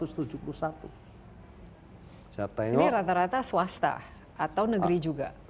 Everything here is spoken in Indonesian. ini rata rata swasta atau negeri juga